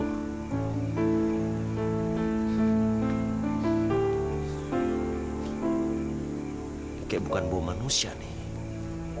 kayak bukan buah manusia nih